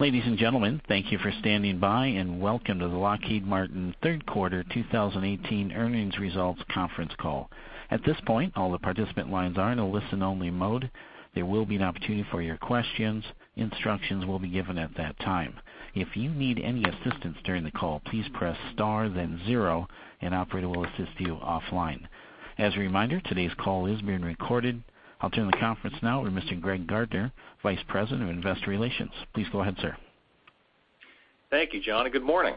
Ladies and gentlemen, thank you for standing by. Welcome to the Lockheed Martin Third Quarter 2018 Earnings Results Conference Call. At this point, all the participant lines are in a listen-only mode. There will be an opportunity for your questions. Instructions will be given at that time. If you need any assistance during the call, please press star then zero, an operator will assist you offline. As a reminder, today's call is being recorded. I will turn the conference now with Mr. Greg Gardner, Vice President of Investor Relations. Please go ahead, sir. Thank you, John. Good morning.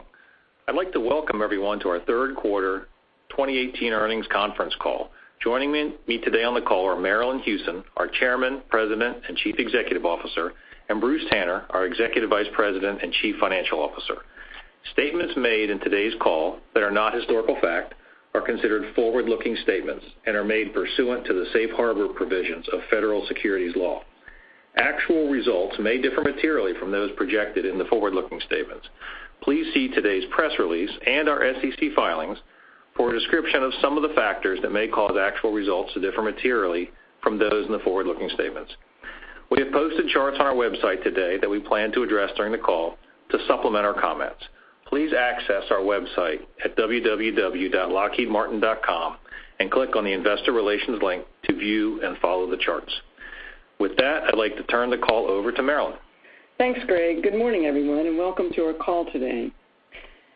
I would like to welcome everyone to our third quarter 2018 earnings conference call. Joining me today on the call are Marillyn Hewson, our Chairman, President, and Chief Executive Officer, and Bruce Tanner, our Executive Vice President and Chief Financial Officer. Statements made in today's call that are not historical fact are considered forward-looking statements and are made pursuant to the safe harbor provisions of federal securities law. Actual results may differ materially from those projected in the forward-looking statements. Please see today's press release and our SEC filings for a description of some of the factors that may cause actual results to differ materially from those in the forward-looking statements. We have posted charts on our website today that we plan to address during the call to supplement our comments. Please access our website at www.lockheedmartin.com and click on the Investor Relations link to view and follow the charts. With that, I would like to turn the call over to Marillyn. Thanks, Greg. Good morning, everyone. Welcome to our call today.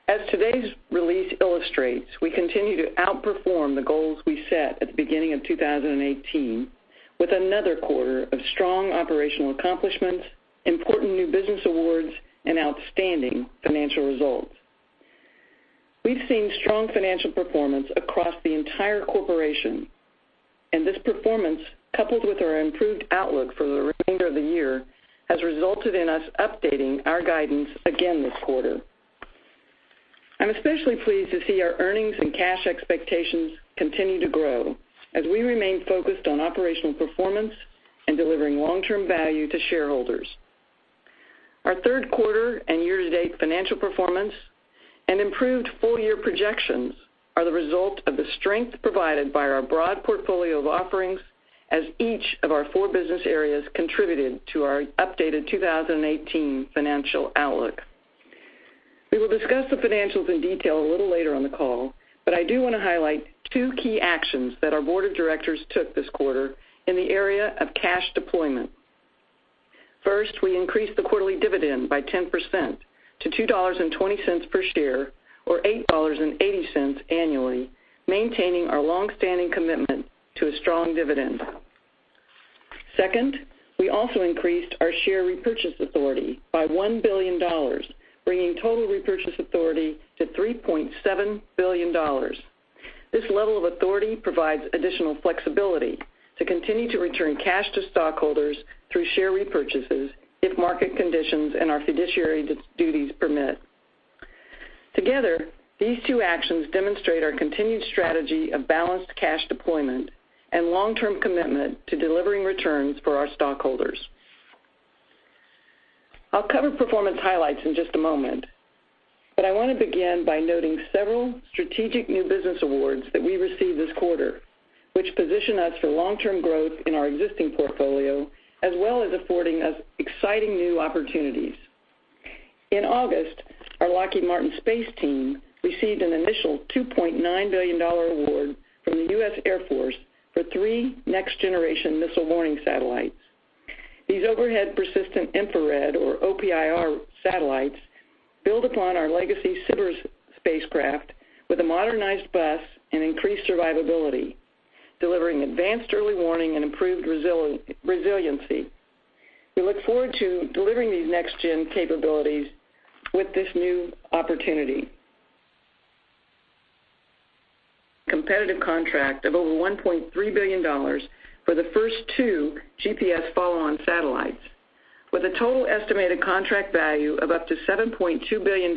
As today's release illustrates, we continue to outperform the goals we set at the beginning of 2018 with another quarter of strong operational accomplishments, important new business awards, and outstanding financial results. We have seen strong financial performance across the entire corporation. This performance, coupled with our improved outlook for the remainder of the year, has resulted in us updating our guidance again this quarter. I am especially pleased to see our earnings and cash expectations continue to grow as we remain focused on operational performance and delivering long-term value to shareholders. Our third quarter and year-to-date financial performance and improved full-year projections are the result of the strength provided by our broad portfolio of offerings as each of our four business areas contributed to our updated 2018 financial outlook. We will discuss the financials in detail a little later on the call. I do want to highlight two key actions that our board of directors took this quarter in the area of cash deployment. First, we increased the quarterly dividend by 10% to $2.20 per share or $8.80 annually, maintaining our long-standing commitment to a strong dividend. Second, we also increased our share repurchase authority by $1 billion, bringing total repurchase authority to $3.7 billion. This level of authority provides additional flexibility to continue to return cash to stockholders through share repurchases if market conditions and our fiduciary duties permit. Together, these two actions demonstrate our continued strategy of balanced cash deployment and long-term commitment to delivering returns for our stockholders. I'll cover performance highlights in just a moment. I want to begin by noting several strategic new business awards that we received this quarter, which position us for long-term growth in our existing portfolio, as well as affording us exciting new opportunities. In August, our Lockheed Martin Space team received an initial $2.9 billion award from the U.S. Air Force for three next-generation missile warning satellites. These Overhead Persistent Infrared, or OPIR, satellites build upon our legacy SBIRS spacecraft with a modernized bus and increased survivability, delivering advanced early warning and improved resiliency. We look forward to delivering these next-gen capabilities with this new opportunity. Competitive contract of over $1.3 billion for the first two GPS Follow-On satellites, with a total estimated contract value of up to $7.2 billion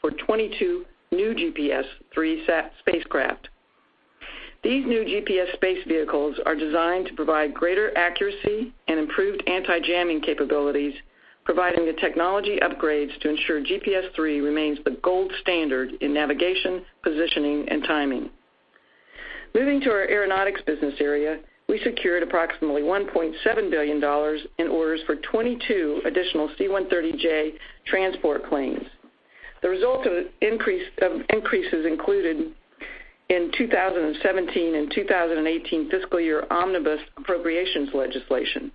for 22 new GPS III spacecraft. These new GPS space vehicles are designed to provide greater accuracy and improved anti-jamming capabilities, providing the technology upgrades to ensure GPS III remains the gold standard in navigation, positioning, and timing. Moving to our Aeronautics business area, we secured approximately $1.7 billion in orders for 22 additional C-130J transport planes. The result of increases included in 2017 and 2018 fiscal year omnibus appropriations legislation.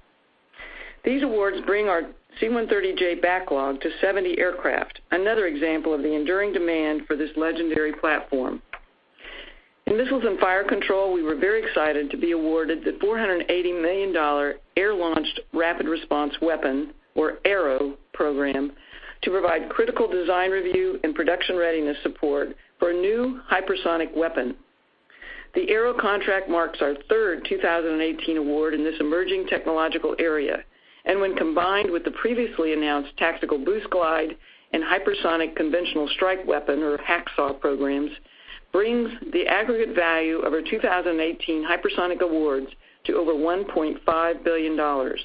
These awards bring our C-130J backlog to 70 aircraft, another example of the enduring demand for this legendary platform. In Missiles and Fire Control, we were very excited to be awarded the $480 million Air-Launched Rapid Response Weapon, or ARRW program, to provide critical design review and production readiness support for a new hypersonic weapon. The ARRW contract marks our third 2018 award in this emerging technological area. When combined with the previously announced Tactical Boost Glide and Hypersonic Conventional Strike Weapon, or HCSW, programs, brings the aggregate value of our 2018 hypersonic awards to over $1.5 billion.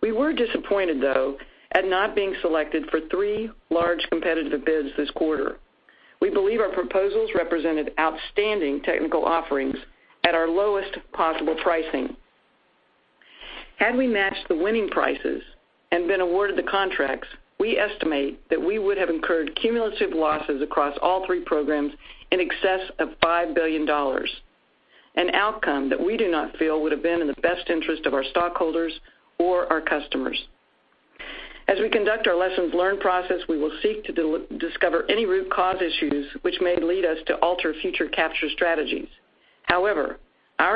We were disappointed, though, at not being selected for three large competitive bids this quarter. We believe our proposals represented outstanding technical offerings at our lowest possible pricing. Had we matched the winning prices and been awarded the contracts, we estimate that we would have incurred cumulative losses across all three programs in excess of $5 billion, an outcome that we do not feel would have been in the best interest of our stockholders or our customers. As we conduct our lessons learned process, we will seek to discover any root cause issues which may lead us to alter future capture strategies. Our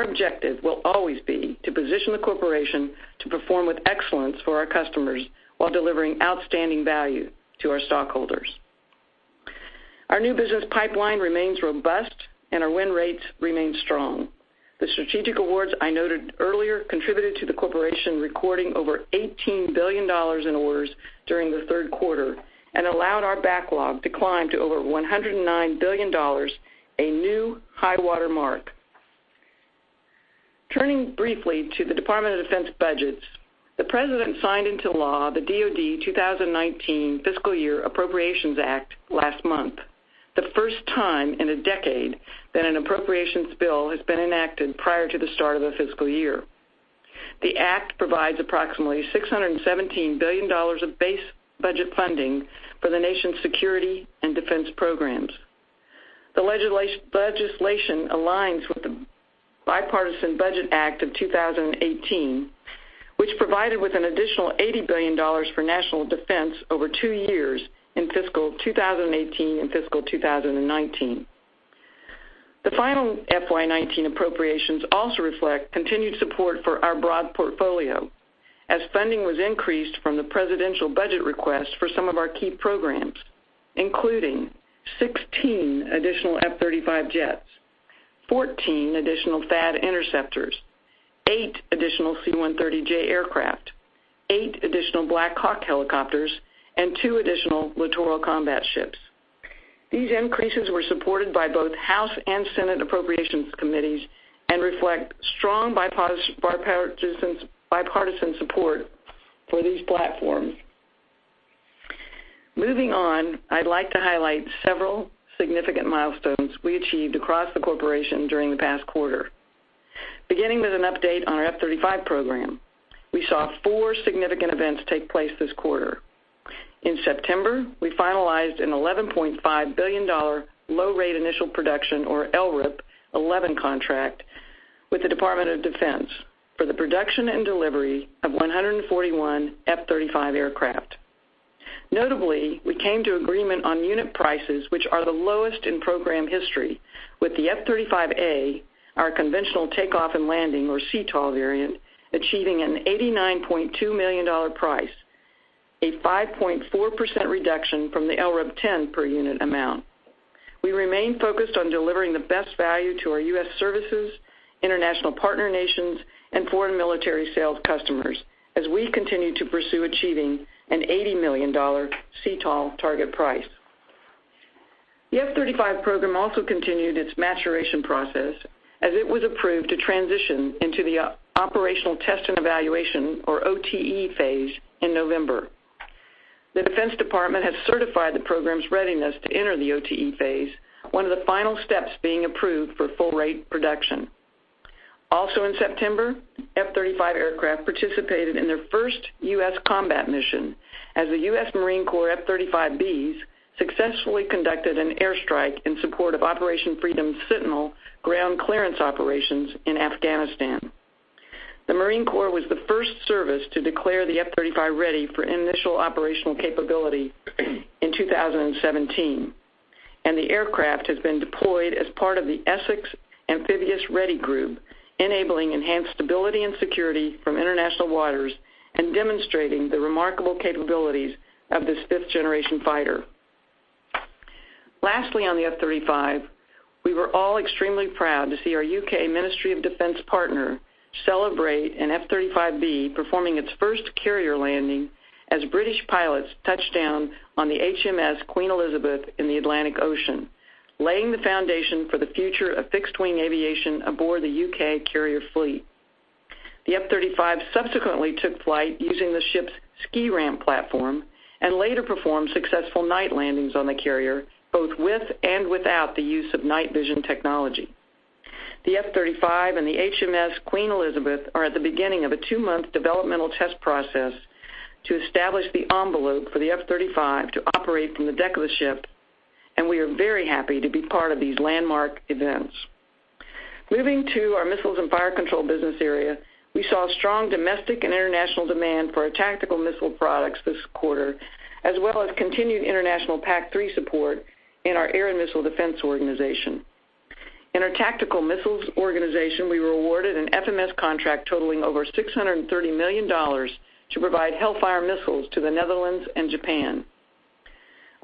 objective will always be to position the corporation to perform with excellence for our customers while delivering outstanding value to our stockholders. Our new business pipeline remains robust and our win rates remain strong. The strategic awards I noted earlier contributed to the corporation recording over $18 billion in orders during the third quarter and allowed our backlog to climb to over $109 billion, a new high water mark. Turning briefly to the Department of Defense budgets, the president signed into law the Department of Defense Appropriations Act, 2019 last month, the first time in a decade that an appropriations bill has been enacted prior to the start of the fiscal year. The act provides approximately $617 billion of base budget funding for the nation's security and defense programs. The legislation aligns with the Bipartisan Budget Act of 2018, which provided with an additional $80 billion for national defense over two years in fiscal 2018 and fiscal 2019. The final FY 2019 Appropriations also reflect continued support for our broad portfolio as funding was increased from the presidential budget request for some of our key programs, including 16 additional F-35 jets, 14 additional THAAD interceptors, eight additional C-130J aircraft, eight additional Black Hawk helicopters, and two additional Littoral Combat Ships. These increases were supported by both House and Senate Appropriations Committees and reflect strong bipartisan support for these platforms. I'd like to highlight several significant milestones we achieved across the corporation during the past quarter. Beginning with an update on our F-35 program. We saw four significant events take place this quarter. In September, we finalized an $11.5 billion Low Rate Initial Production, or LRIP 11 contract with the Department of Defense for the production and delivery of 141 F-35 aircraft. Notably, we came to agreement on unit prices, which are the lowest in program history with the F-35A, our conventional takeoff and landing, or CTOL variant, achieving an $89.2 million price, a 5.4% reduction from the LRIP 10 per unit amount. We remain focused on delivering the best value to our U.S. services, international partner nations, and foreign military sales customers as we continue to pursue achieving an $80 million CTOL target price. The F-35 program also continued its maturation process as it was approved to transition into the Operational Test and Evaluation, or OTE phase in November. The Department of Defense has certified the program's readiness to enter the OTE phase, one of the final steps being approved for full rate production. Also in September, F-35 aircraft participated in their first U.S. combat mission as the U.S. Marine Corps F-35Bs successfully conducted an airstrike in support of Operation Freedom's Sentinel ground clearance operations in Afghanistan. The Marine Corps was the first service to declare the F-35 ready for initial operational capability in 2017, and the aircraft has been deployed as part of the Essex Amphibious Ready Group, enabling enhanced stability and security from international waters and demonstrating the remarkable capabilities of this fifth-generation fighter. Lastly, on the F-35, we were all extremely proud to see our UK Ministry of Defence partner celebrate an F-35B performing its first carrier landing as British pilots touched down on the HMS Queen Elizabeth in the Atlantic Ocean, laying the foundation for the future of fixed-wing aviation aboard the U.K. carrier fleet. The F-35 subsequently took flight using the ship's ski ramp platform and later performed successful night landings on the carrier, both with and without the use of night vision technology. The F-35 and the HMS Queen Elizabeth are at the beginning of a two-month developmental test process to establish the envelope for the F-35 to operate from the deck of the ship, and we are very happy to be part of these landmark events. Moving to our Missiles and Fire Control business area. We saw strong domestic and international demand for our tactical missile products this quarter, as well as continued international PAC-3 support in our Air and Missile Defense organization. In our tactical missiles organization, we were awarded an FMS contract totaling over $630 million to provide Hellfire missiles to the Netherlands and Japan.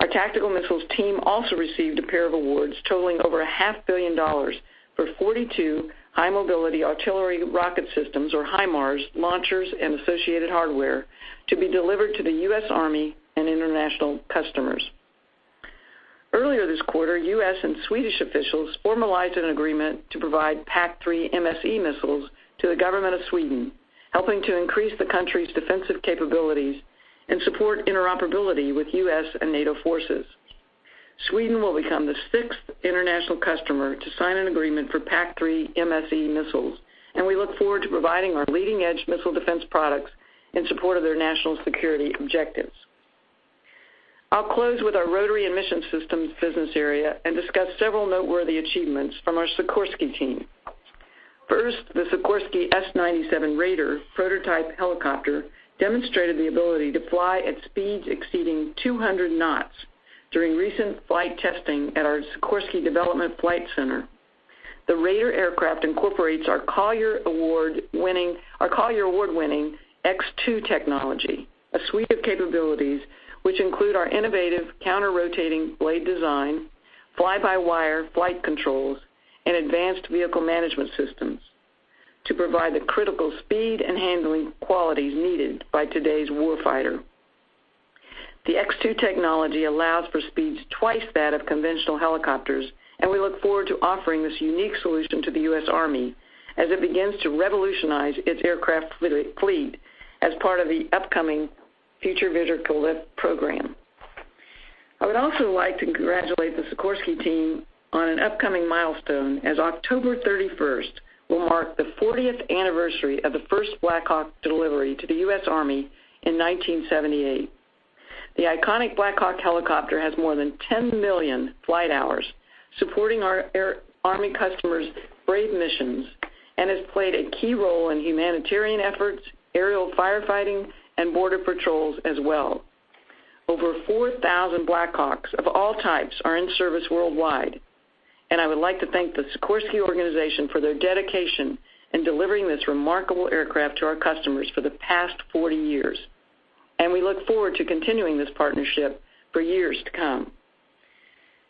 Our tactical missiles team also received a pair of awards totaling over a half billion dollars for 42 High Mobility Artillery Rocket Systems, or HIMARS launchers and associated hardware to be delivered to the U.S. Army and international customers. Earlier this quarter, U.S. and Swedish officials formalized an agreement to provide PAC-3 MSE missiles to the government of Sweden, helping to increase the country's defensive capabilities and support interoperability with U.S. and NATO forces. Sweden will become the sixth international customer to sign an agreement for PAC-3 MSE missiles, and we look forward to providing our leading-edge missile defense products in support of their national security objectives. I'll close with our Rotary and Mission Systems business area and discuss several noteworthy achievements from our Sikorsky team. First, the Sikorsky S-97 Raider prototype helicopter demonstrated the ability to fly at speeds exceeding 200 knots during recent flight testing at our Sikorsky Development Flight Center. The Raider aircraft incorporates our Collier Award-winning X2 technology, a suite of capabilities which include our innovative counter-rotating blade design, fly-by-wire flight controls, and advanced vehicle management systems to provide the critical speed and handling qualities needed by today's warfighter. The X2 technology allows for speeds twice that of conventional helicopters, and we look forward to offering this unique solution to the U.S. Army as it begins to revolutionize its aircraft fleet as part of the upcoming Future Vertical Lift program. I would also like to congratulate the Sikorsky team on an upcoming milestone, as October 31st will mark the 40th anniversary of the first Black Hawk delivery to the U.S. Army in 1978. The iconic Black Hawk helicopter has more than 10 million flight hours supporting our Army customers' brave missions and has played a key role in humanitarian efforts, aerial firefighting, and border patrols as well. Over 4,000 Black Hawks of all types are in service worldwide, and I would like to thank the Sikorsky organization for their dedication in delivering this remarkable aircraft to our customers for the past 40 years. We look forward to continuing this partnership for years to come.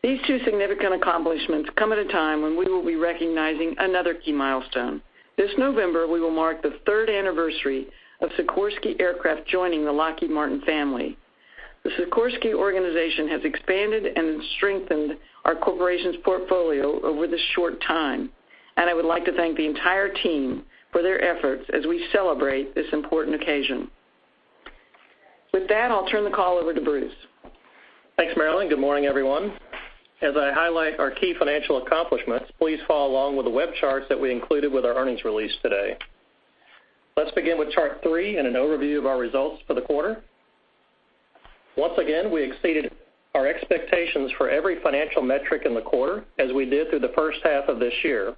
These two significant accomplishments come at a time when we will be recognizing another key milestone. This November, we will mark the third anniversary of Sikorsky Aircraft joining the Lockheed Martin family. The Sikorsky organization has expanded and strengthened our corporation's portfolio over this short time, and I would like to thank the entire team for their efforts as we celebrate this important occasion. With that, I'll turn the call over to Bruce. Thanks, Marillyn. Good morning, everyone. As I highlight our key financial accomplishments, please follow along with the web charts that we included with our earnings release today. Let's begin with Chart three and an overview of our results for the quarter. Once again, we exceeded our expectations for every financial metric in the quarter, as we did through the first half of this year.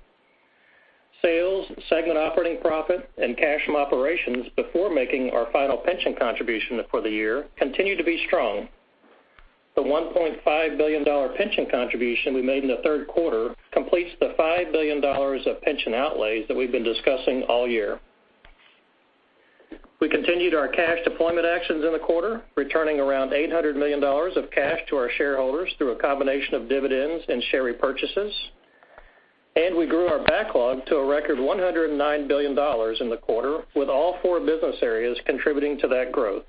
Sales, segment operating profit, and cash from operations before making our final pension contribution for the year continued to be strong. The $1.5 billion pension contribution we made in the third quarter completes the $5 billion of pension outlays that we've been discussing all year. We continued our cash deployment actions in the quarter, returning around $800 million of cash to our shareholders through a combination of dividends and share repurchases. We grew our backlog to a record $109 billion in the quarter, with all four business areas contributing to that growth.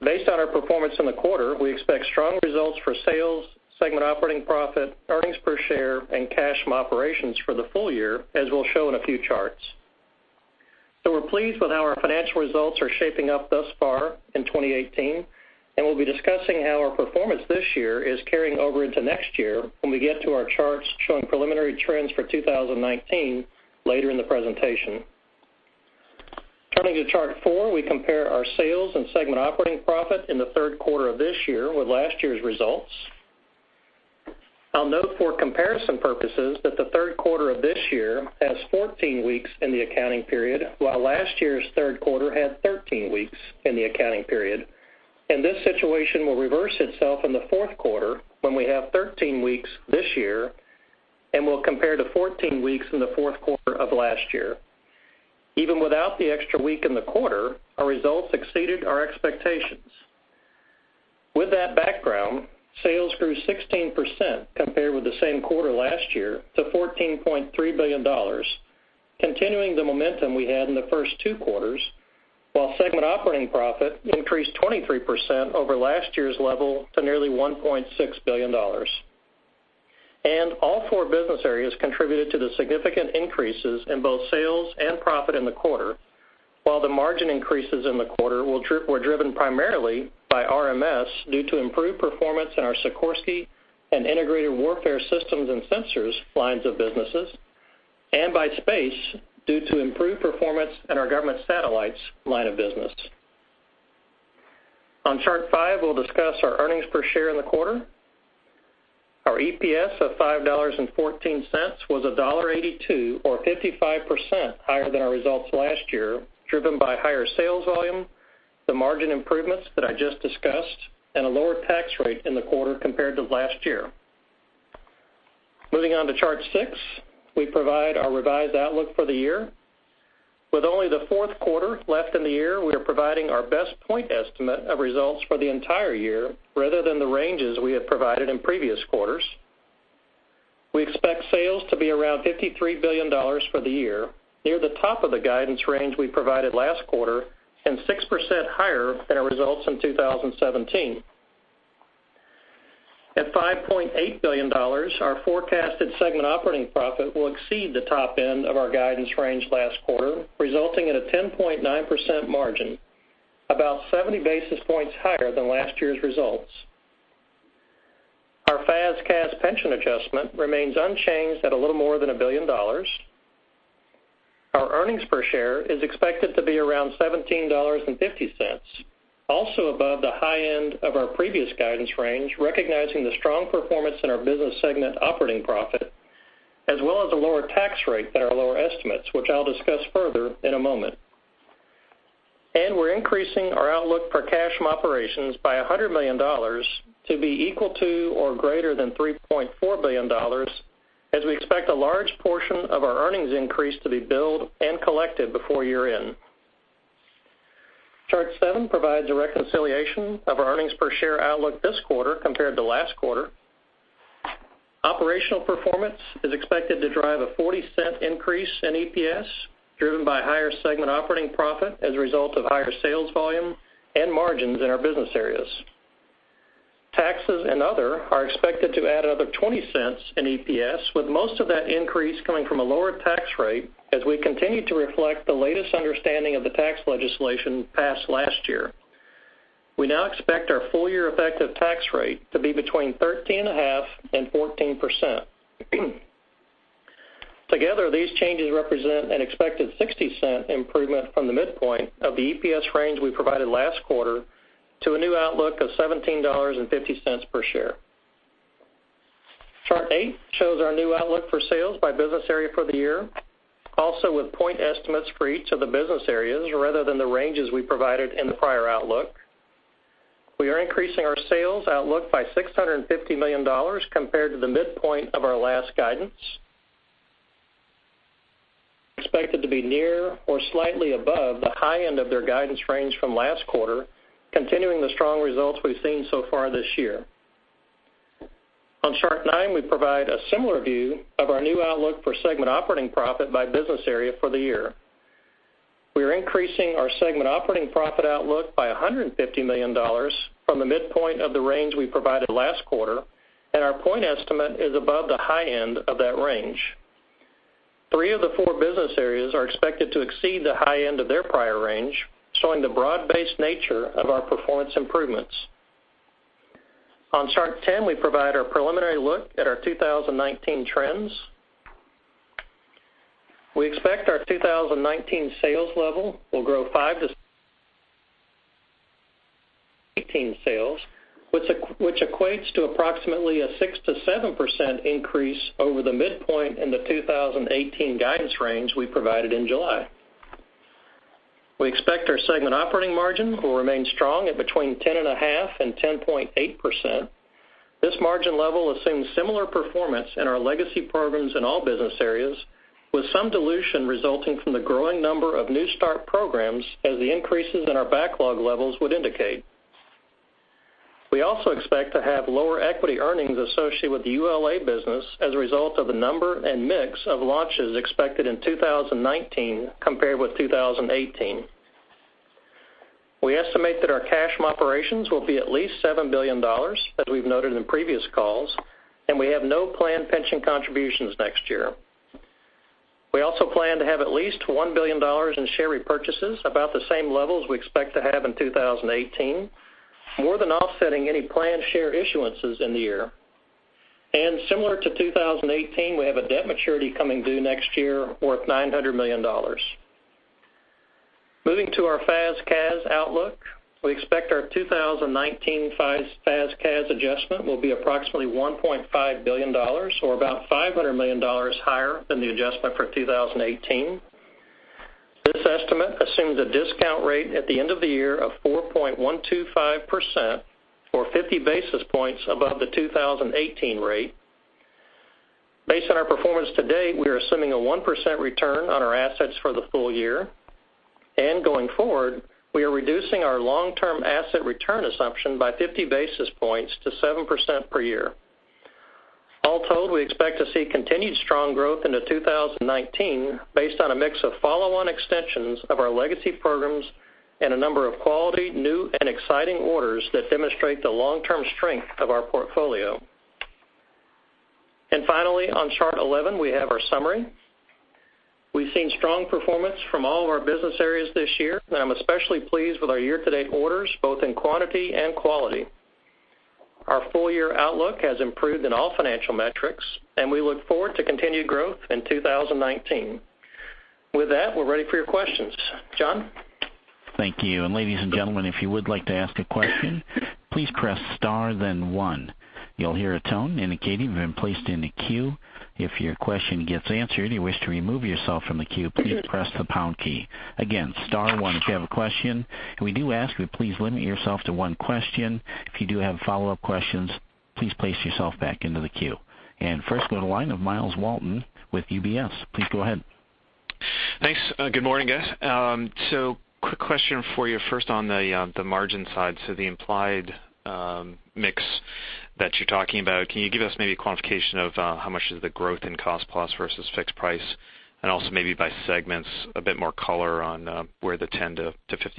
Based on our performance in the quarter, we expect strong results for sales, segment operating profit, earnings per share, and cash from operations for the full year, as we'll show in a few charts. We're pleased with how our financial results are shaping up thus far in 2018, and we'll be discussing how our performance this year is carrying over into next year when we get to our charts showing preliminary trends for 2019 later in the presentation. Turning to Chart four, we compare our sales and segment operating profit in the third quarter of this year with last year's results. I'll note for comparison purposes that the third quarter of this year has 14 weeks in the accounting period, while last year's third quarter had 13 weeks in the accounting period. This situation will reverse itself in the fourth quarter, when we have 13 weeks this year and will compare to 14 weeks in the fourth quarter of last year. Even without the extra week in the quarter, our results exceeded our expectations. With that background, sales grew 16% compared with the same quarter last year to $14.3 billion, continuing the momentum we had in the first two quarters, while segment operating profit increased 23% over last year's level to nearly $1.6 billion. All four business areas contributed to the significant increases in both sales and profit in the quarter, while the margin increases in the quarter were driven primarily by RMS due to improved performance in our Sikorsky and Integrated Warfare Systems & Sensors lines of businesses, and by Space, due to improved performance in our Government Satellites line of business. On Chart 5, we'll discuss our earnings per share in the quarter. Our EPS of $5.14 was $1.82, or 55%, higher than our results last year, driven by higher sales volume, the margin improvements that I just discussed, and a lower tax rate in the quarter compared to last year. Moving on to Chart 6, we provide our revised outlook for the year. With only the fourth quarter left in the year, we are providing our best point estimate of results for the entire year rather than the ranges we have provided in previous quarters. We expect sales to be around $53 billion for the year, near the top of the guidance range we provided last quarter and 6% higher than our results in 2017. At $5.8 billion, our forecasted segment operating profit will exceed the top end of our guidance range last quarter, resulting in a 10.9% margin, about 70 basis points higher than last year's results. Our FAS/CAS pension adjustment remains unchanged at a little more than $1 billion. Our earnings per share is expected to be around $17.50, also above the high end of our previous guidance range, recognizing the strong performance in our business segment operating profit, as well as a lower tax rate than our lower estimates, which I'll discuss further in a moment. We're increasing our outlook for cash operations by $100 million to be equal to or greater than $3.4 billion, as we expect a large portion of our earnings increase to be billed and collected before year-end. Chart seven provides a reconciliation of our earnings per share outlook this quarter compared to last quarter. Operational performance is expected to drive a $0.40 increase in EPS, driven by higher segment operating profit as a result of higher sales volume and margins in our business areas. Taxes and other are expected to add another $0.20 in EPS, with most of that increase coming from a lower tax rate, as we continue to reflect the latest understanding of the tax legislation passed last year. We now expect our full-year effective tax rate to be between 13.5%-14%. Together, these changes represent an expected $0.60 improvement from the midpoint of the EPS range we provided last quarter to a new outlook of $17.50 per share. Chart eight shows our new outlook for sales by business area for the year, also with point estimates for each of the business areas rather than the ranges we provided in the prior outlook. We are increasing our sales outlook by $650 million compared to the midpoint of our last guidance. Expected to be near or slightly above the high end of their guidance range from last quarter, continuing the strong results we've seen so far this year. On chart 9, we provide a similar view of our new outlook for segment operating profit by business area for the year. We are increasing our segment operating profit outlook by $150 million from the midpoint of the range we provided last quarter, and our point estimate is above the high end of that range. Three of the four business areas are expected to exceed the high end of their prior range, showing the broad-based nature of our performance improvements. On chart 10, we provide our preliminary look at our 2019 trends. We expect our 2019 sales level will grow 5% to 2018 sales, which equates to approximately a 6% to 7% increase over the midpoint in the 2018 guidance range we provided in July. We expect our segment operating margin will remain strong at between 10.5% and 10.8%. This margin level assumes similar performance in our legacy programs in all business areas, with some dilution resulting from the growing number of new start programs as the increases in our backlog levels would indicate. We also expect to have lower equity earnings associated with the ULA business as a result of the number and mix of launches expected in 2019 compared with 2018. We estimate that our cash operations will be at least $7 billion, as we've noted in previous calls, and we have no planned pension contributions next year. We also plan to have at least $1 billion in share repurchases, about the same levels we expect to have in 2018, more than offsetting any planned share issuances in the year. Similar to 2018, we have a debt maturity coming due next year worth $900 million. Moving to our FAS/CAS outlook, we expect our 2019 FAS/CAS adjustment will be approximately $1.5 billion, or about $500 million higher than the adjustment for 2018. This estimate assumes a discount rate at the end of the year of 4.125%, or 50 basis points above the 2018 rate. Based on our performance to date, we are assuming a 1% return on our assets for the full year. Going forward, we are reducing our long-term asset return assumption by 50 basis points to 7% per year. All told, we expect to see continued strong growth into 2019 based on a mix of follow-on extensions of our legacy programs and a number of quality, new, and exciting orders that demonstrate the long-term strength of our portfolio. Finally, on chart 11, we have our summary. We've seen strong performance from all of our business areas this year, and I'm especially pleased with our year-to-date orders, both in quantity and quality. Our full-year outlook has improved in all financial metrics, and we look forward to continued growth in 2019. With that, we're ready for your questions. John? Thank you. Ladies and gentlemen, if you would like to ask a question, please press star then one. You'll hear a tone indicating you've been placed in the queue. If your question gets answered and you wish to remove yourself from the queue, please press the pound key. Again, star one if you have a question. We do ask you please limit yourself to one question. If you do have follow-up questions, please place yourself back into the queue. First, go to the line of Myles Walton with UBS. Please go ahead. Thanks. Good morning, guys. Quick question for you first on the margin side. The implied mix that you're talking about, can you give us maybe a quantification of how much is the growth in cost plus versus fixed price? Also maybe by segments, a bit more color on where the 10-50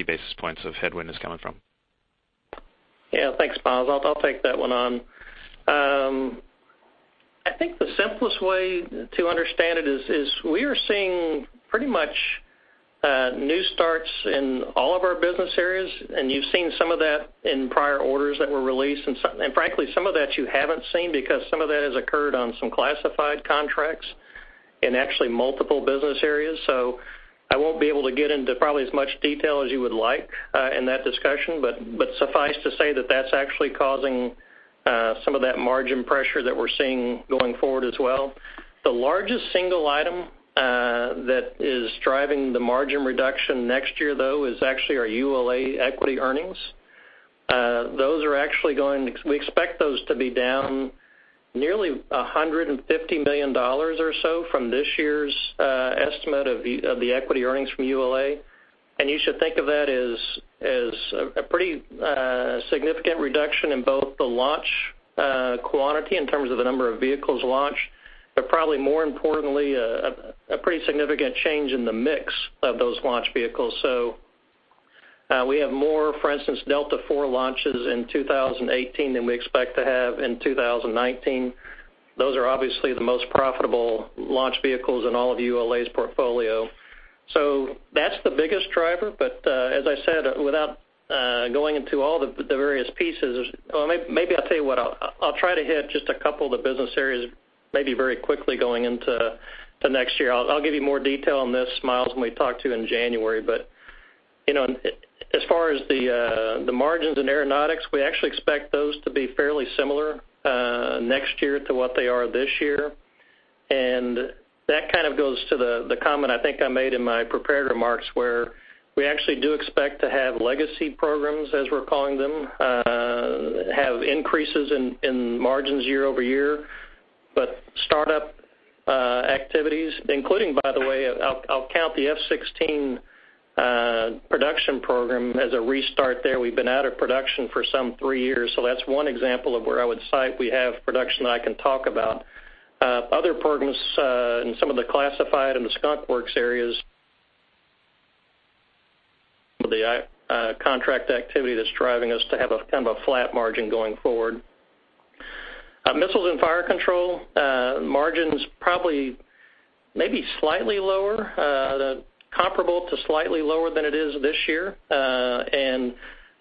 basis points of headwind is coming from. Thanks, Myles. I'll take that one on. I think the simplest way to understand it is we are seeing pretty much new starts in all of our business areas, and you've seen some of that in prior orders that were released. Frankly, some of that you haven't seen because some of that has occurred on some classified contracts in actually multiple business areas. I won't be able to get into probably as much detail as you would like in that discussion, but suffice to say that's actually causing some of that margin pressure that we're seeing going forward as well. The largest single item that is driving the margin reduction next year, though, is actually our ULA equity earnings. We expect those to be down nearly $150 million or so from this year's estimate of the equity earnings from ULA. You should think of that as a pretty significant reduction in both the launch quantity in terms of the number of vehicles launched, but probably more importantly, a pretty significant change in the mix of those launch vehicles. We have more, for instance, Delta IV launches in 2018 than we expect to have in 2019. Those are obviously the most profitable launch vehicles in all of ULA's portfolio. That's the biggest driver. As I said, without going into all the various pieces. Maybe I'll tell you what. I'll try to hit just a couple of the business areas, maybe very quickly going into next year. I'll give you more detail on this, Myles, when we talk to you in January. As far as the margins in aeronautics, we actually expect those to be fairly similar next year to what they are this year. That kind of goes to the comment I think I made in my prepared remarks, where we actually do expect to have legacy programs, as we're calling them, have increases in margins year-over-year. Start-up activities, including, by the way, I'll count the F-16 production program as a restart there. We've been out of production for some three years. That's one example of where I would cite we have production that I can talk about. Other programs in some of the classified and the Skunk Works areas, the contract activity that's driving us to have a kind of a flat margin going forward. Missiles and Fire Control margins probably maybe slightly lower, comparable to slightly lower than it is this year.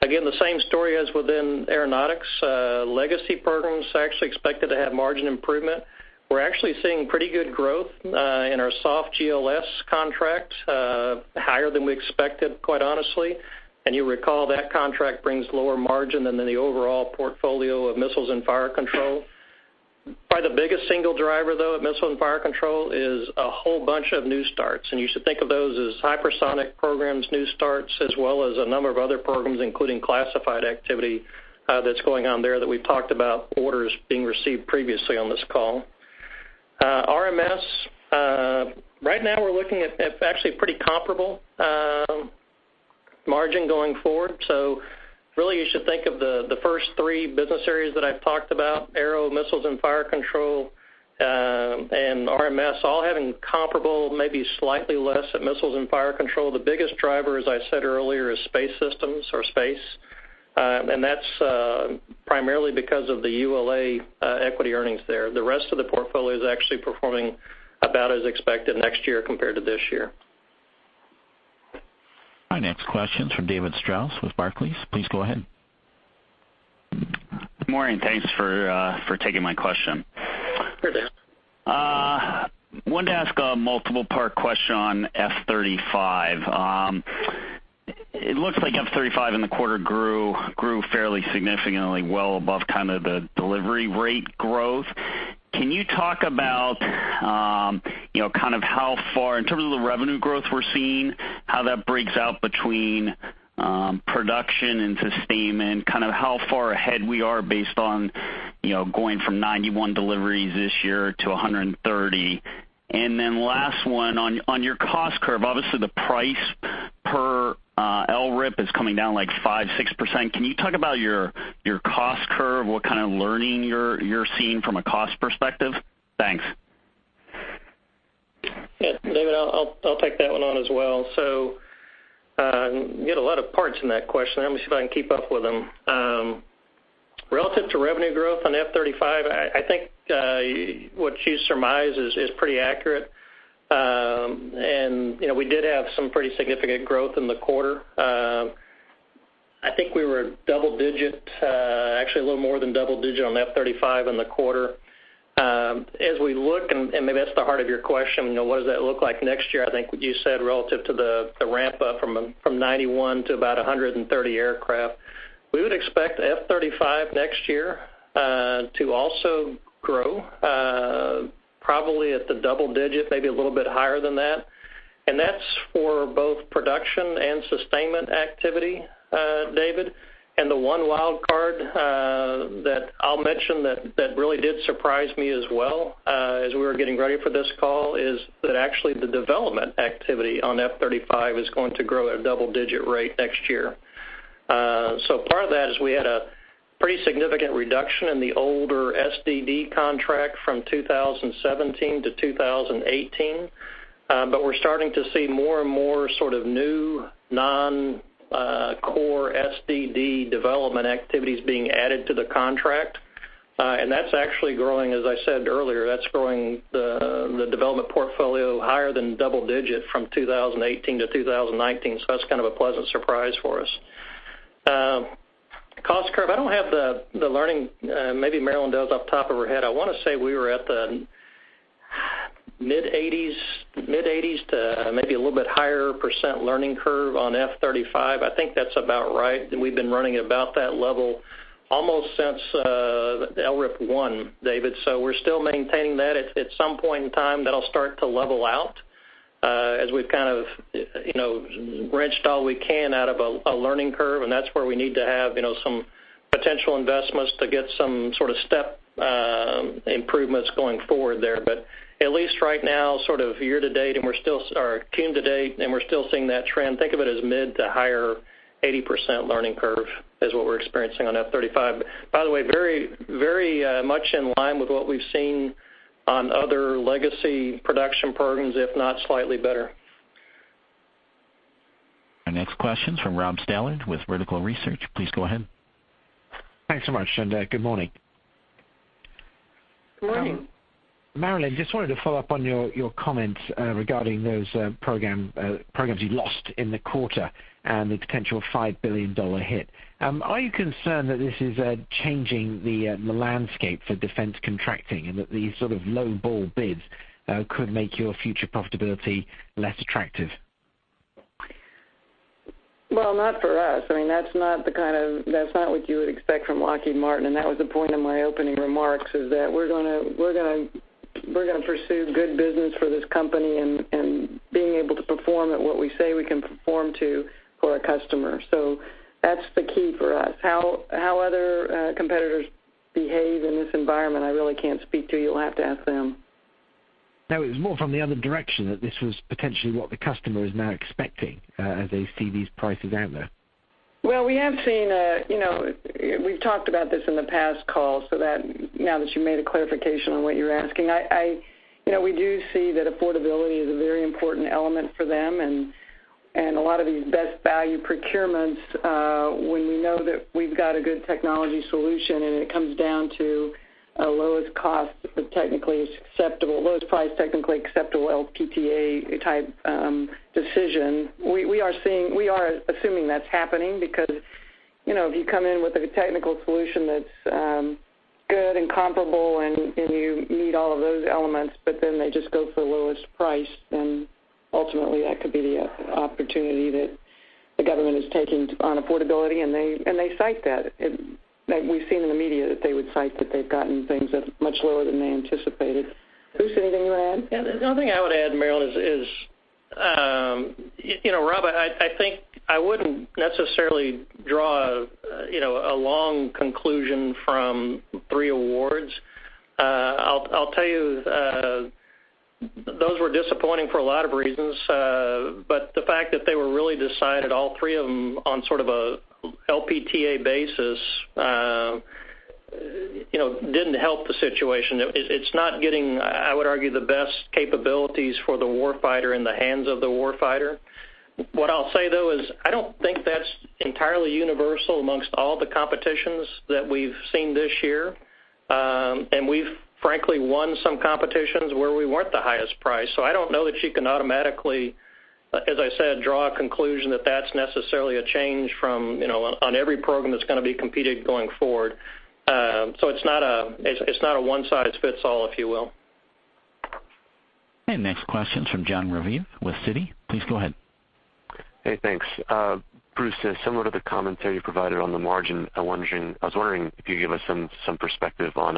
Again, the same story as within Aeronautics. Legacy programs are actually expected to have margin improvement. We're actually seeing pretty good growth in our SOF GLSS contract, higher than we expected, quite honestly. You recall that contract brings lower margin than the overall portfolio of Missiles and Fire Control. Probably the biggest single driver, though, at Missiles and Fire Control is a whole bunch of new starts. You should think of those as hypersonic programs new starts, as well as a number of other programs, including classified activity that's going on there that we've talked about orders being received previously on this call. RMS. Right now, we're looking at actually pretty comparable margin going forward. Really you should think of the first three business areas that I've talked about, Aero, Missiles and Fire Control, and RMS all having comparable, maybe slightly less at Missiles and Fire Control. The biggest driver, as I said earlier, is Space Systems or Space. That's primarily because of the ULA equity earnings there. The rest of the portfolio is actually performing about as expected next year compared to this year. Our next question is from David Strauss with Barclays. Please go ahead. Good morning. Thanks for taking my question. Hi, David. Wanted to ask a multiple part question on F-35. It looks like F-35 in the quarter grew fairly significantly, well above kind of the delivery rate growth. Can you talk about kind of how far in terms of the revenue growth we're seeing, how that breaks out between production and sustainment, kind of how far ahead we are based on going from 91 deliveries this year to 130? Last one, on your cost curve, obviously the price per LRIP is coming down like 5%, 6%. Can you talk about your cost curve? What kind of learning you're seeing from a cost perspective? Thanks. Yeah. David, I'll take that one on as well. You had a lot of parts in that question. Let me see if I can keep up with them. Relative to revenue growth on F-35, I think what you surmise is pretty accurate. We did have some pretty significant growth in the quarter. I think we were double digit, actually a little more than double digit on F-35 in the quarter. As we look, maybe that's the heart of your question, what does that look like next year, I think you said relative to the ramp up from 91 to about 130 aircraft. We would expect F-35 next year to also grow, probably at the double digit, maybe a little bit higher than that. That's for both production and sustainment activity, David. The one wild card that I'll mention that really did surprise me as well as we were getting ready for this call is that actually the development activity on F-35 is going to grow at a double-digit rate next year. Part of that is we had a pretty significant reduction in the older SDD contract from 2017 to 2018. We're starting to see more and more sort of new non-core SDD development activities being added to the contract. That's actually growing, as I said earlier, that's growing the development portfolio higher than double digit from 2018 to 2019. That's kind of a pleasant surprise for us. Cost curve, I don't have the learning, maybe Marillyn does off the top of her head. I want to say we were at the mid-80s to maybe a little bit higher % learning curve on F-35. I think that's about right, that we've been running at about that level almost since the LRIP 1, David. We're still maintaining that. At some point in time, that'll start to level out as we've kind of wrenched all we can out of a learning curve, and that's where we need to have some potential investments to get some sort of step improvements going forward there. At least right now, sort of year to date, or tune to date, and we're still seeing that trend. Think of it as mid to higher 80% learning curve is what we're experiencing on F-35. By the way, very much in line with what we've seen on other legacy production programs, if not slightly better. Our next question's from Rob Stallard with Vertical Research. Please go ahead. Thanks so much, and good morning. Good morning. Marillyn, just wanted to follow up on your comments regarding those programs you lost in the quarter and the potential $5 billion hit. Are you concerned that this is changing the landscape for defense contracting, and that these sort of low ball bids could make your future profitability less attractive? Not for us. That's not what you would expect from Lockheed Martin, and that was the point of my opening remarks, is that we're going to pursue good business for this company and being able to perform at what we say we can perform to for our customers. That's the key for us. How other competitors behave in this environment, I really can't speak to. You'll have to ask them. It was more from the other direction, that this was potentially what the customer is now expecting as they see these prices out there. We've talked about this in the past calls, so now that you made a clarification on what you're asking. We do see that affordability is a very important element for them, and a lot of these best value procurements, when we know that we've got a good technology solution and it comes down to a lowest price technically acceptable, LPTA type decision. We are assuming that's happening because, if you come in with a technical solution that's good and comparable and you meet all of those elements, but then they just go for the lowest price, then ultimately that could be the opportunity that the government is taking on affordability, and they cite that. We've seen in the media that they would cite that they've gotten things at much lower than they anticipated. Bruce, anything you add? The only thing I would add, Marillyn, is, Rob, I think I wouldn't necessarily draw a long conclusion from 3 awards. I'll tell you, those were disappointing for a lot of reasons. The fact that they were really decided, all 3 of them, on sort of a LPTA basis, didn't help the situation. It's not getting, I would argue, the best capabilities for the war fighter in the hands of the war fighter. What I'll say, though, is I don't think that's entirely universal amongst all the competitions that we've seen this year. We've frankly won some competitions where we weren't the highest price. I don't know that you can automatically, as I said, draw a conclusion that that's necessarily a change on every program that's going to be competed going forward. It's not a one size fits all, if you will. Next question's from Jon Raviv with Citi. Please go ahead. Hey, thanks. Bruce, similar to the commentary you provided on the margin, I was wondering if you could give us some perspective on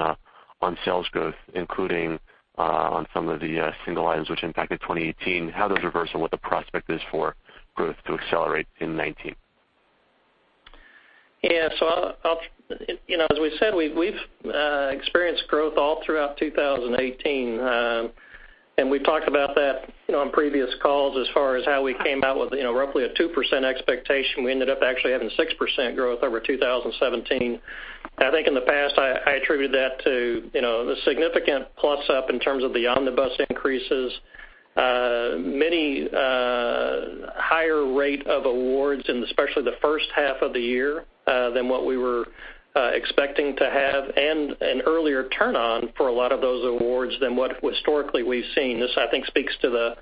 sales growth, including on some of the single items which impacted 2018, how those reverse and what the prospect is for growth to accelerate in 2019. Yeah. As we said, we've experienced growth all throughout 2018. We've talked about that on previous calls as far as how we came out with roughly a 2% expectation. We ended up actually having 6% growth over 2017. I think in the past, I attributed that to the significant plus up in terms of the omnibus increases. Many higher rate of awards in especially the first half of the year, than what we were expecting to have, and an earlier turn on for a lot of those awards than what historically we've seen. This, I think, speaks to the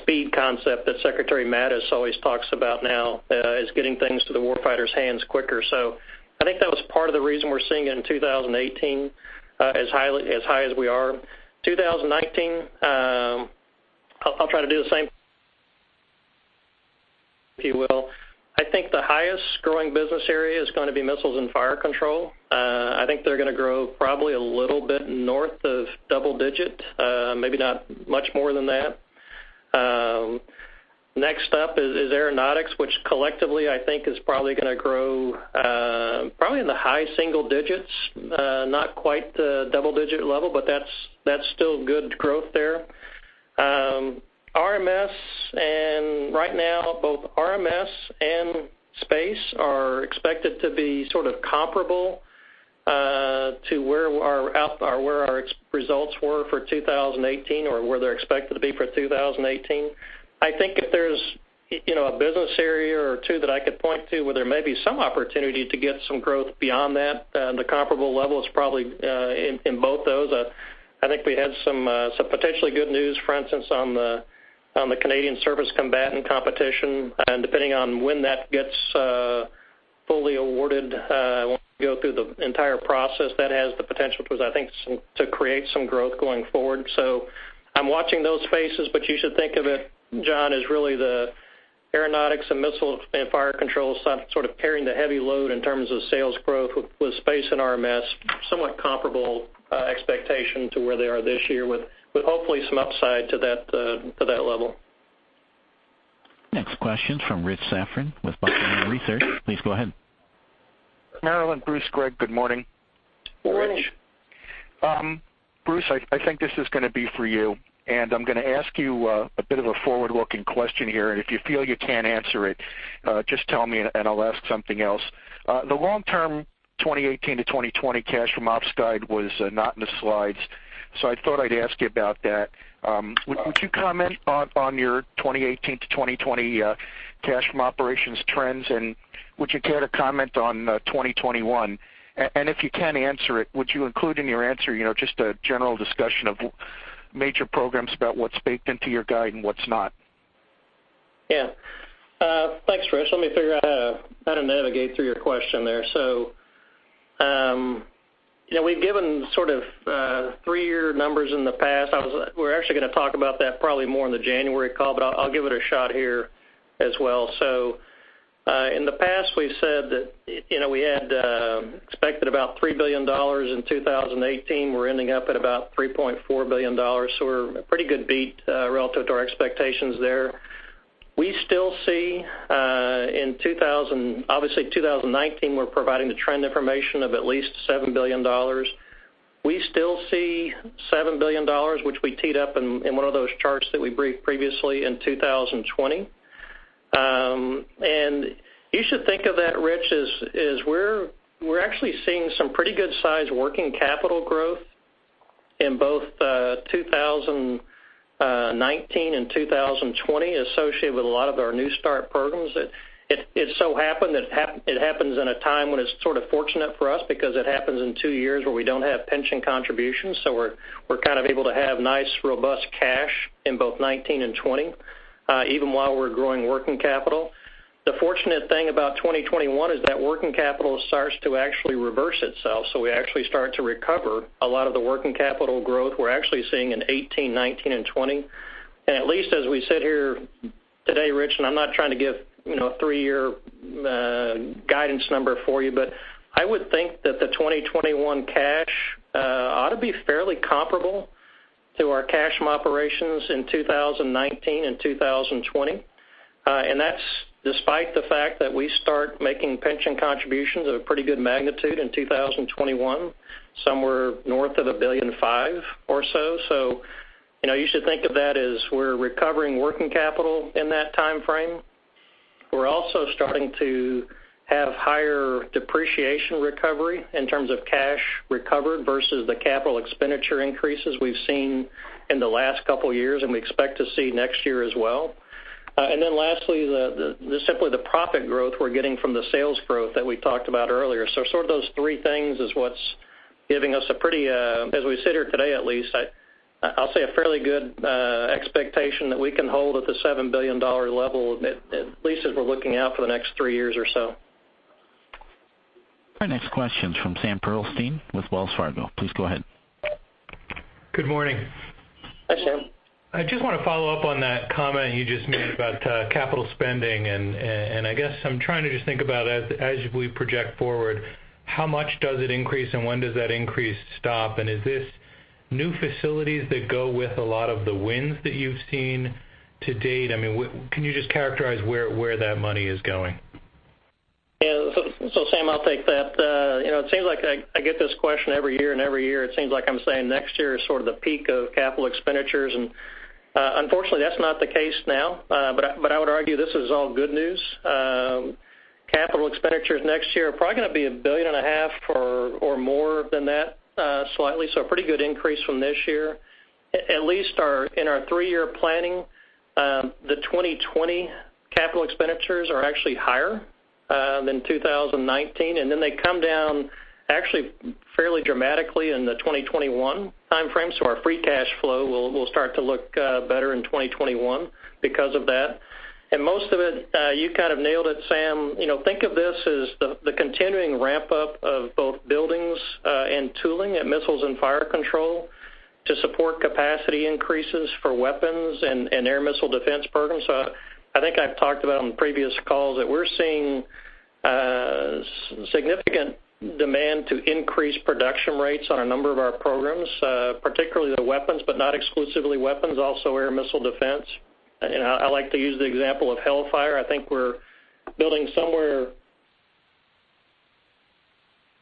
speed concept that Secretary Mattis always talks about now, is getting things to the war fighter's hands quicker. I think that was part of the reason we're seeing it in 2018 as high as we are. 2019, I'll try to do the same, if you will. I think the highest growing business area is going to be Missiles and Fire Control. I think they're going to grow probably a little bit north of double-digit, maybe not much more than that. Next up is Aeronautics, which collectively I think is probably going to grow probably in the high single-digits. Not quite the double-digit level, but that's still good growth there. RMS. Right now, both RMS and Space are expected to be sort of comparable to where our results were for 2018 or where they're expected to be for 2018. I think if there's a business area or two that I could point to where there may be some opportunity to get some growth beyond that, the comparable level is probably in both those. I think we had some potentially good news, for instance, on the Canadian Surface Combatant competition. Depending on when that gets fully awarded, once we go through the entire process, that has the potential to, I think, to create some growth going forward. I'm watching those spaces, you should think of it, Jon, as really the Aeronautics and Missiles and Fire Control sort of carrying the heavy load in terms of sales growth, with Space and RMS, somewhat comparable expectation to where they are this year, with hopefully some upside to that level. Next question's from Rich Safran with Buckingham Research. Please go ahead. Marillyn, Bruce, Greg, good morning. Morning. Rich. Bruce, I think this is going to be for you, and I'm going to ask you a bit of a forward-looking question here. If you feel you can't answer it, just tell me, and I'll ask something else. The long-term 2018 to 2020 cash from ops guide was not in the slides, so I thought I'd ask you about that. Would you comment on your 2018 to 2020 cash from operations trends, and would you care to comment on 2021? If you can answer it, would you include in your answer, just a general discussion of major programs about what's baked into your guide and what's not? Yeah. Thanks, Rich. Let me figure out how to navigate through your question there. We've given sort of three-year numbers in the past. We're actually going to talk about that probably more in the January call, but I'll give it a shot here as well. In the past, we've said that we had expected about $3 billion in 2018. We're ending up at about $3.4 billion. We're a pretty good beat relative to our expectations there. Obviously, in 2019, we're providing the trend information of at least $7 billion. We still see $7 billion, which we teed up in one of those charts that we briefed previously in 2020. You should think of that, Rich, as we're actually seeing some pretty good size working capital growth in both 2019 and 2020 associated with a lot of our new start programs. It so happened that it happens at a time when it's sort of fortunate for us because it happens in two years where we don't have pension contributions. We're kind of able to have nice, robust cash in both 2019 and 2020, even while we're growing working capital. The fortunate thing about 2021 is that working capital starts to actually reverse itself, so we actually start to recover a lot of the working capital growth we're actually seeing in 2018, 2019, and 2020. At least as we sit here today, Rich, and I'm not trying to give a three-year guidance number for you, but I would think that the 2021 cash ought to be fairly comparable to our cash from operations in 2019 and 2020. That's despite the fact that we start making pension contributions of a pretty good magnitude in 2021, somewhere north of $1.5 billion or so. You should think of that as we're recovering working capital in that timeframe. We're also starting to have higher depreciation recovery in terms of cash recovered versus the capital expenditure increases we've seen in the last couple of years, and we expect to see next year as well. Then lastly, simply the profit growth we're getting from the sales growth that we talked about earlier. Sort of those three things is what's giving us, as we sit here today at least, I'll say a fairly good expectation that we can hold at the $7 billion level, at least as we're looking out for the next three years or so. Our next question is from Sam Pearlstein with Wells Fargo. Please go ahead. Good morning. Hi, Sam. I just want to follow up on that comment you just made about capital spending. I guess I'm trying to just think about as we project forward, how much does it increase and when does that increase stop? Is this new facilities that go with a lot of the wins that you've seen to date? I mean, can you just characterize where that money is going? Sam, I'll take that. It seems like I get this question every year, and every year it seems like I'm saying next year is sort of the peak of capital expenditures, and unfortunately that's not the case now. I would argue this is all good news. Capital expenditures next year are probably going to be $1.5 billion or more than that, slightly. A pretty good increase from this year. At least in our 3-year planning, the 2020 capital expenditures are actually higher than 2019, and then they come down actually fairly dramatically in the 2021 timeframe. Our free cash flow will start to look better in 2021 because of that. Most of it, you kind of nailed it, Sam. Think of this as the continuing ramp-up of both buildings and tooling at Missiles and Fire Control to support capacity increases for weapons and Air and Missile Defense programs. I think I've talked about on previous calls that we're seeing significant demand to increase production rates on a number of our programs, particularly the weapons, but not exclusively weapons, also Air and Missile Defense. I like to use the example of Hellfire. I think we're building somewhere.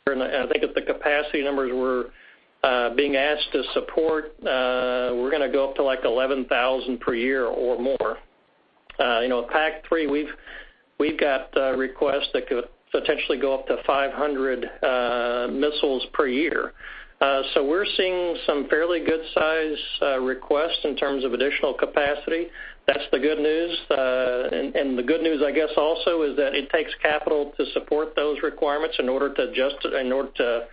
The capacity numbers we're being asked to support, we're going to go up to 11,000 per year or more. At PAC-3, we've got requests that could potentially go up to 500 missiles per year. We're seeing some fairly good size requests in terms of additional capacity. That's the good news. The good news, I guess also is that it takes capital to support those requirements in order to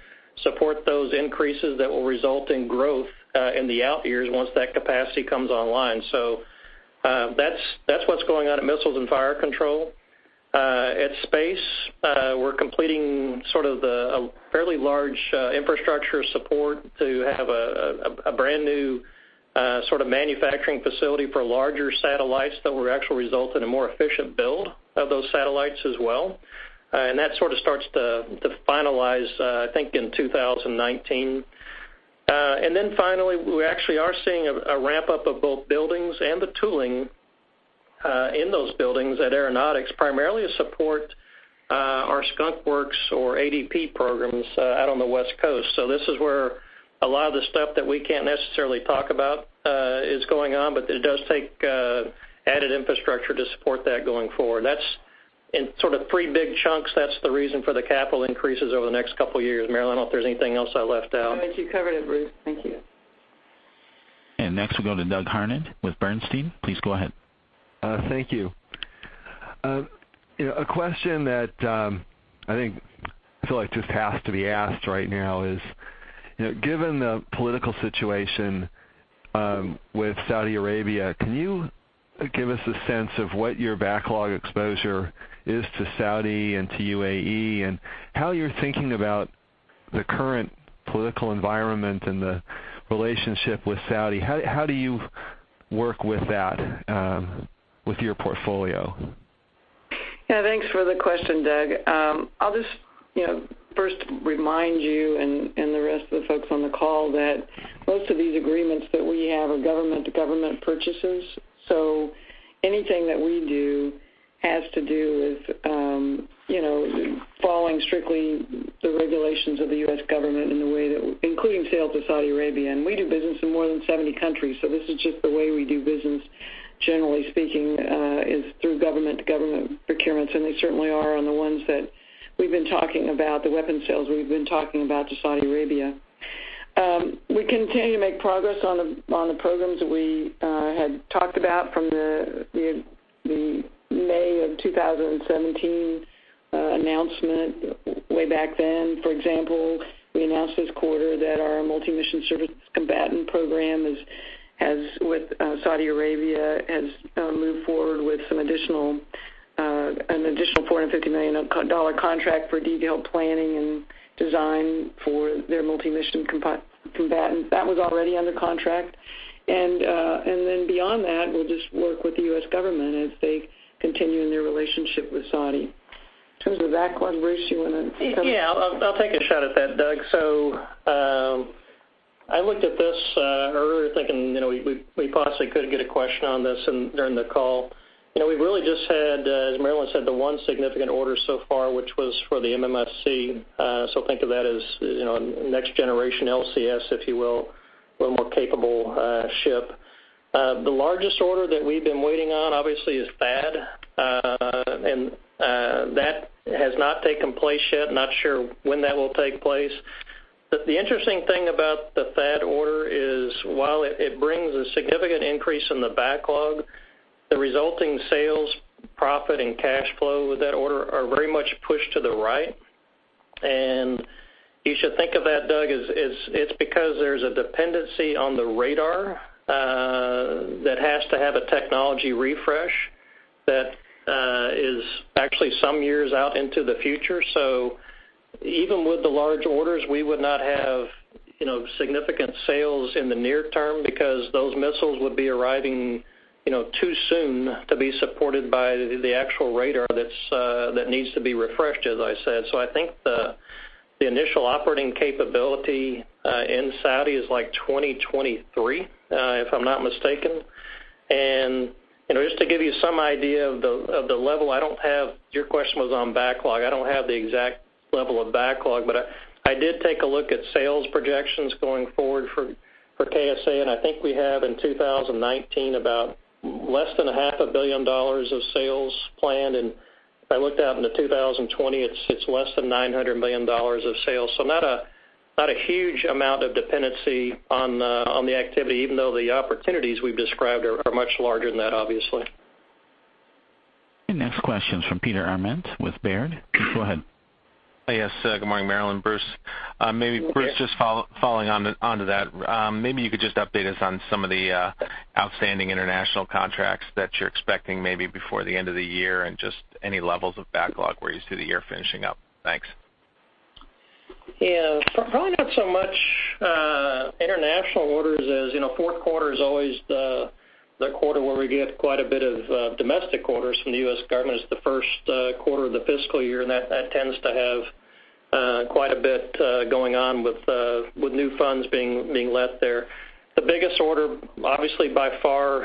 support those increases that will result in growth, in the out years once that capacity comes online. That's what's going on at Missiles and Fire Control. At Space, we're completing sort of the fairly large infrastructure support to have a brand new sort of manufacturing facility for larger satellites that will actually result in a more efficient build of those satellites as well. That sort of starts to finalize, I think in 2019. Finally, we actually are seeing a ramp up of both buildings and the tooling in those buildings at Aeronautics, primarily to support our Skunk Works or ADP programs out on the West Coast. This is where a lot of the stuff that we can't necessarily talk about, is going on. It does take added infrastructure to support that going forward. That's in sort of three big chunks. That's the reason for the capital increases over the next couple of years. Marillyn, I don't know if there's anything else I left out. No, I think you covered it, Bruce. Thank you. Next we'll go to Douglas Harned with Bernstein. Please go ahead. Thank you. A question that I think, feel like just has to be asked right now is, given the political situation with Saudi Arabia, can you give us a sense of what your backlog exposure is to Saudi and to UAE, and how you're thinking about the current political environment and the relationship with Saudi? How do you work with that, with your portfolio? Yeah, thanks for the question, Doug. I'll just first remind you and the rest of the folks on the call that most of these agreements that we have are government to government purchases. Anything that we do has to do with following strictly the regulations of the U.S. government in the way that, including sales to Saudi Arabia, and we do business in more than 70 countries. This is just the way we do business, generally speaking, is through government to government procurements, and they certainly are on the ones that we've been talking about, the weapons sales we've been talking about to Saudi Arabia. We continue to make progress on the programs that we had talked about from the May of 2017 announcement way back then. For example, we announced this quarter that our Multi-Mission Surface Combatant program with Saudi Arabia has moved forward with an additional $450 million contract for detailed planning and design for their multi-mission combatant. That was already under contract. Beyond that, we'll just work with the U.S. government as they continue in their relationship with Saudi. In terms of backlog, Bruce, do you want to comment? Yeah, I'll take a shot at that, Doug. I looked at this earlier thinking, we possibly could get a question on this during the call. We've really just had, as Marillyn said, the one significant order so far, which was for the MMSC. Think of that as next generation LCS, if you will. A little more capable ship. The largest order that we've been waiting on, obviously is THAAD, and that has not taken place yet. Not sure when that will take place. The interesting thing about the THAAD order is while it brings a significant increase in the backlog, the resulting sales profit and cash flow with that order are very much pushed to the right. You should think of that, Doug, as it's because there's a dependency on the radar that has to have a technology refresh that is actually some years out into the future. Even with the large orders, we would not have significant sales in the near term because those missiles would be arriving too soon to be supported by the actual radar that needs to be refreshed, as I said. I think the initial operating capability in Saudi is 2023, if I'm not mistaken. Just to give you some idea of the level, your question was on backlog. I don't have the exact level of backlog, but I did take a look at sales projections going forward for KSA, and I think we have in 2019, about less than a half a billion dollars of sales planned. If I looked out into 2020, it's less than $900 million of sales. Not a huge amount of dependency on the activity, even though the opportunities we've described are much larger than that obviously. Next question is from Peter Arment with Baird. Please go ahead. Yes. Good morning, Marillyn, Bruce. Maybe Bruce, just following onto that. Maybe you could just update us on some of the outstanding international contracts that you're expecting maybe before the end of the year and just any levels of backlog where you see the year finishing up. Thanks. Yeah. Probably not so much international orders as fourth quarter is always the quarter where we get quite a bit of domestic orders from the U.S. government as the first quarter of the fiscal year, that tends to have quite a bit going on with new funds being let there. The biggest order, obviously by far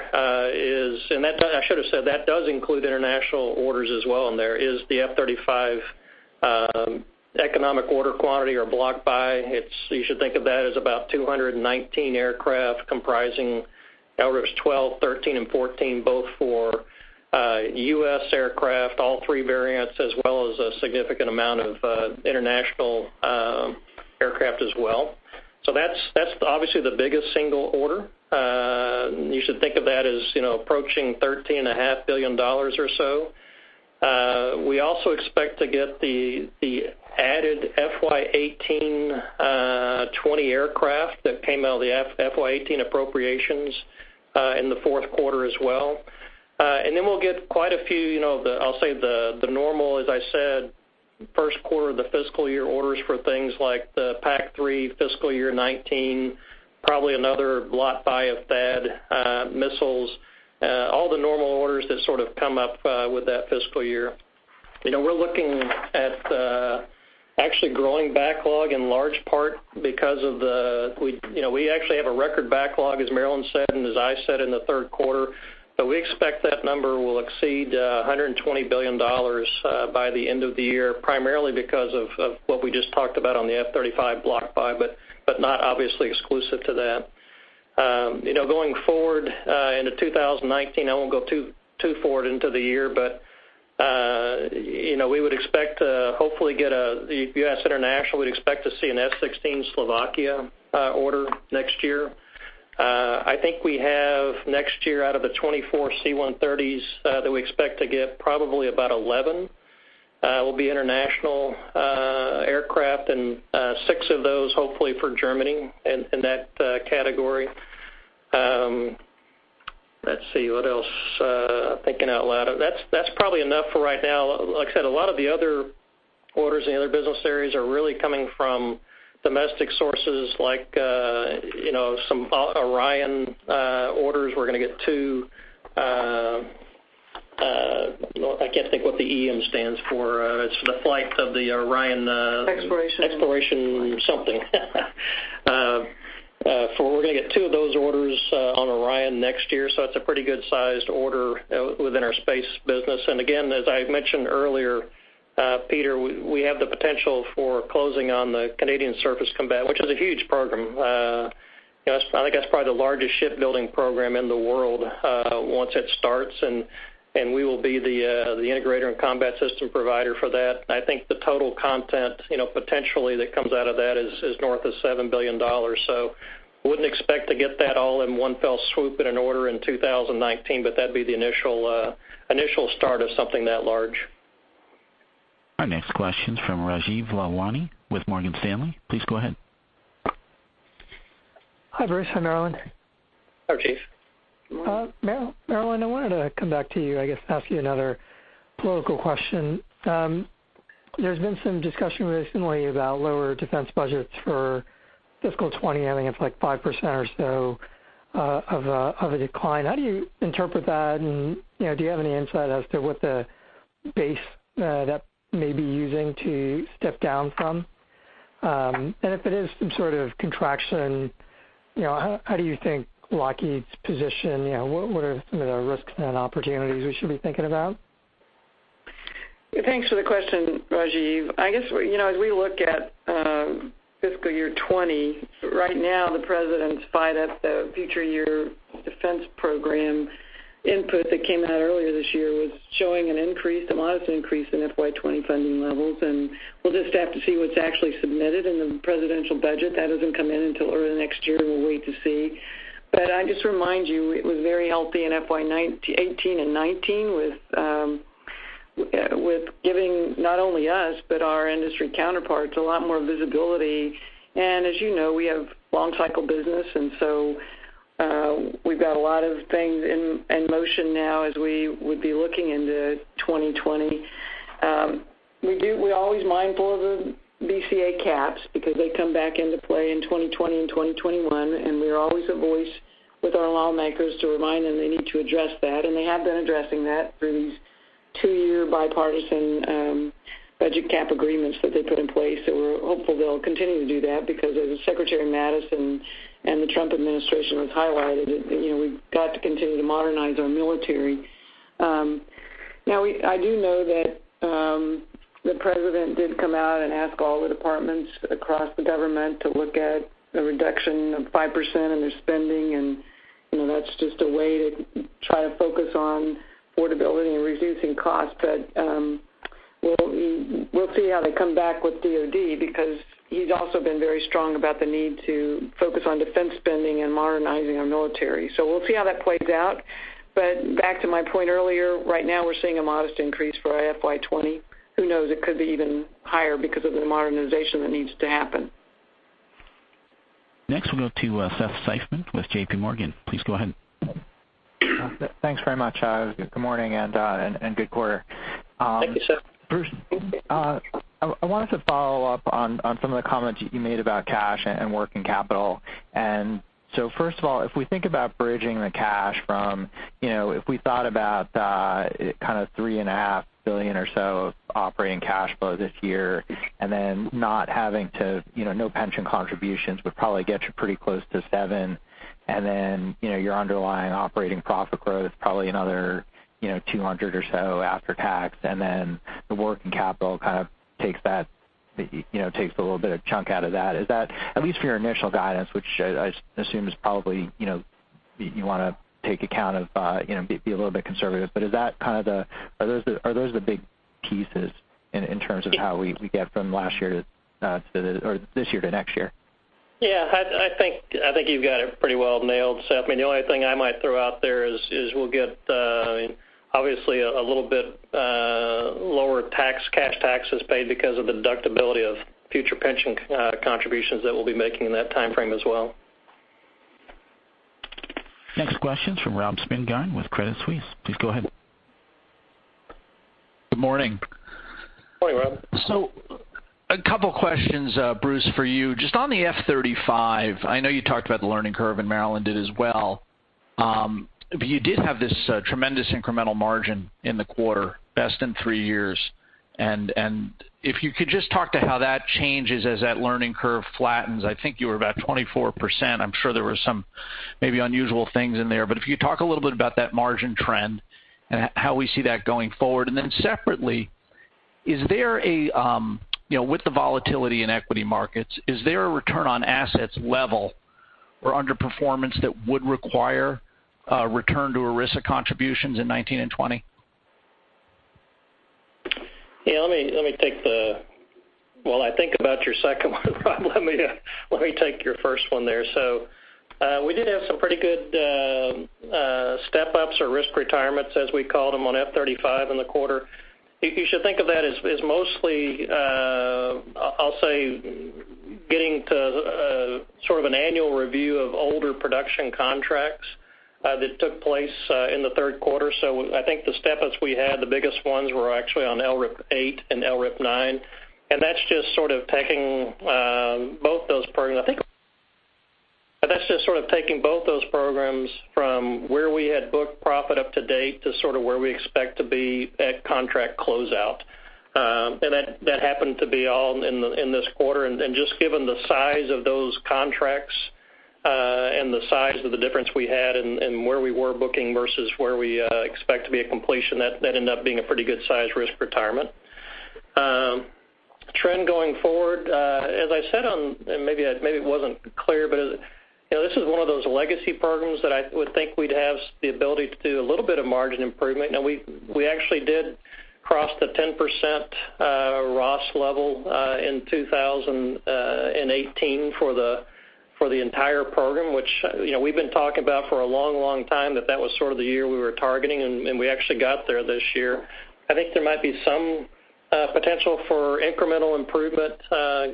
is, and I should have said, that does include international orders as well in there, is the F-35 economic order quantity or block buy. You should think of that as about 219 aircraft comprising lots 12, 13, and 14, both for U.S. aircraft, all three variants, as well as a significant amount of international aircraft as well. That's obviously the biggest single order. You should think of that as approaching $13.5 billion or so. We also expect to get the added FY 2018, 20 aircraft that came out of the FY 2018 appropriations in the fourth quarter as well. Then we'll get quite a few, I'll say the normal, as I said, first quarter of the fiscal year orders for things like the PAC-3 fiscal year 2019, probably another block buy of THAAD missiles, all the normal orders that sort of come up with that fiscal year. We're looking at actually growing backlog in large part. We actually have a record backlog, as Marillyn said, and as I said in the third quarter, we expect that number will exceed $120 billion by the end of the year, primarily because of what we just talked about on the F-35 block buy, but not obviously exclusive to that. Going forward, into 2019, I won't go too forward into the year. We would expect to hopefully get the U.S. international. We'd expect to see an F-16 Slovakia order next year. I think we have next year out of the 24 C-130s, that we expect to get probably about 11 will be international aircraft and six of those hopefully for Germany in that category. Let's see what else, thinking out loud. That's probably enough for right now. Like I said, a lot of the other orders in the other business areas are really coming from domestic sources, like some Orion orders. We're going to get two, I can't think what the EM stands for. It's the flight of the Orion- Exploration. Exploration something. We're going to get two of those orders on Orion next year. That's a pretty good sized order within our Space business. Again, as I mentioned earlier, Peter, we have the potential for closing on the Canadian Surface Combatant, which is a huge program. I think that's probably the largest shipbuilding program in the world once it starts. We will be the integrator and combat system provider for that. I think the total content, potentially that comes out of that is north of $7 billion. Wouldn't expect to get that all in one fell swoop in an order in 2019. That'd be the initial start of something that large. Our next question's from Rajeev Lalwani with Morgan Stanley. Please go ahead. Hi, Bruce. Hi, Marillyn. Hi, Rajeev. Marillyn, I wanted to come back to you, I guess ask you another political question. There's been some discussion recently about lower defense budgets for fiscal 2020. I think it's like 5% or so of a decline. How do you interpret that, and do you have any insight as to what the base that may be using to step down from? If it is some sort of contraction, how do you think Lockheed's positioned? What are some of the risks and opportunities we should be thinking about? Thanks for the question, Rajeev. As we look at fiscal year 2020, right now, the president's FYDP, the future year defense program input that came out earlier this year was showing a modest increase in FY 2020 funding levels. We'll just have to see what's actually submitted in the presidential budget. That doesn't come in until early next year. We'll wait to see. I'd just remind you, it was very healthy in FY 2018 and 2019 with giving not only us, but our industry counterparts a lot more visibility. As you know, we have long cycle business, so we've got a lot of things in motion now as we would be looking into 2020. We're always mindful of the BCA caps because they come back into play in 2020 and 2021. We're always a voice with our lawmakers to remind them they need to address that. They have been addressing that through these two-year bipartisan budget cap agreements that they put in place, and we're hopeful they'll continue to do that because as Secretary Mattis and the Trump administration has highlighted, we've got to continue to modernize our military. Now, I do know that the president did come out and ask all the departments across the government to look at a reduction of 5% in their spending, and that's just a way to try to focus on affordability and reducing costs. We'll see how they come back with DoD because he's also been very strong about the need to focus on defense spending and modernizing our military. We'll see how that plays out. Back to my point earlier, right now we're seeing a modest increase for FY 2020. Who knows? It could be even higher because of the modernization that needs to happen. Next, we'll go to Seth Seifman with JP Morgan. Please go ahead. Thanks very much. Good morning, good quarter. Thank you, Seth. Bruce, I wanted to follow up on some of the comments you made about cash and working capital. First of all, if we think about bridging the cash from, if we thought about kind of $3.5 billion or so of operating cash flow this year, no pension contributions would probably get you pretty close to $7. Your underlying operating profit growth, probably another $200 million or so after tax, and then the working capital kind of takes a little bit of chunk out of that. Is that, at least for your initial guidance, which I assume is probably, you want to take account of, be a little bit conservative, are those the big pieces in terms of how we get from last year to, or this year to next year? Yeah, I think you've got it pretty well nailed, Seth. The only thing I might throw out there is we'll get, obviously, a little bit lower tax, cash taxes paid because of the deductibility of future pension contributions that we'll be making in that timeframe as well. Next question's from Robert Spingarn with Credit Suisse. Please go ahead. Good morning. Morning, Rob. A couple questions, Bruce, for you. Just on the F-35, I know you talked about the learning curve, and Marillyn did as well. You did have this tremendous incremental margin in the quarter, best in three years. If you could just talk to how that changes as that learning curve flattens. I think you were about 24%. I am sure there were some maybe unusual things in there. If you talk a little bit about that margin trend and how we see that going forward. Then separately, with the volatility in equity markets, is there a return on assets level or underperformance that would require a return to ERISA contributions in 2019 and 2020? Yeah, while I think about your second one, Rob, let me take your first one there. We did have some pretty good step-ups or risk retirements, as we call them, on F-35 in the quarter. You should think of that as mostly, I will say, getting to sort of an annual review of older production contracts that took place in the third quarter. I think the step-ups we had, the biggest ones were actually on LRIP 8 and LRIP 9. That is just sort of taking both those programs from where we had booked profit up to date to sort of where we expect to be at contract closeout. That happened to be all in this quarter. Just given the size of those contracts, and the size of the difference we had, and where we were booking versus where we expect to be at completion, that ended up being a pretty good size risk retirement. Trend going forward, as I said on, maybe it was not clear, but this is one of those legacy programs that I would think we would have the ability to do a little bit of margin improvement. We actually did cross the 10% ROS level in 2018 for the entire program, which we have been talking about for a long, long time that was sort of the year we were targeting, and we actually got there this year. I think there might be some potential for incremental improvement,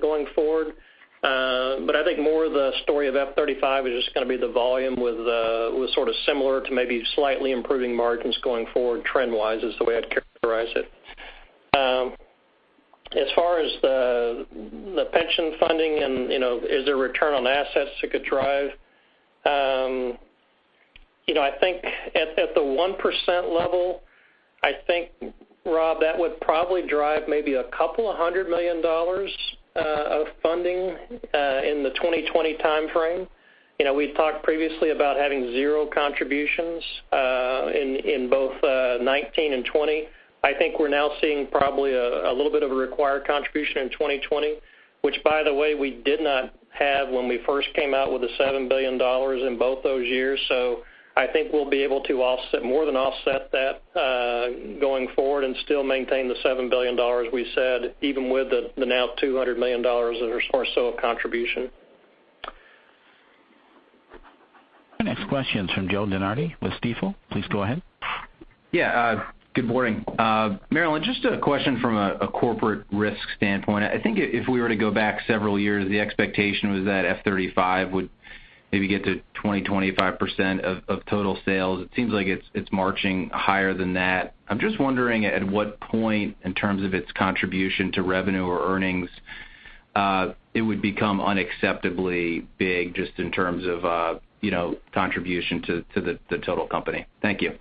going forward. I think more the story of F-35 is just going to be the volume with sort of similar to maybe slightly improving margins going forward trend-wise, is the way I'd characterize it. As far as the pension funding and is there return on assets that could drive, I think at the 1% level, I think, Rob, that would probably drive maybe a couple of hundred million dollars of funding in the 2020 timeframe. We've talked previously about having zero contributions, in both 2019 and 2020. I think we're now seeing probably a little bit of a required contribution in 2020, which by the way, we did not have when we first came out with the $7 billion in both those years. I think we'll be able to more than offset that, going forward and still maintain the $7 billion we said, even with the now $200 million or so of contribution. Our next question's from Joe DeNardi with Stifel. Please go ahead. Good morning. Marillyn, just a question from a corporate risk standpoint. I think if we were to go back several years, the expectation was that F-35 would maybe get to 20%, 25% of total sales. It seems like it's marching higher than that. I'm just wondering at what point in terms of its contribution to revenue or earnings, it would become unacceptably big just in terms of contribution to the total company. Thank you.